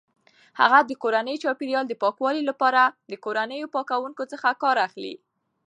هغې د کورني چاپیریال د پاکوالي لپاره د کورنیو پاکونکو څخه کار اخلي.